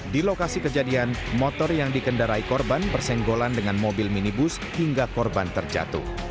di lokasi kejadian motor yang dikendarai korban bersenggolan dengan mobil minibus hingga korban terjatuh